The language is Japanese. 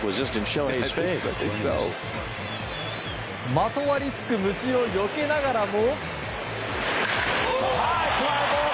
まとわりつく虫をよけながらも。